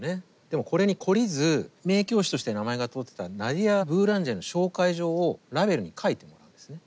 でもこれに懲りず名教師として名前が通ってたナディア・ブーランジェの紹介状をラヴェルに書いてもらうんですね。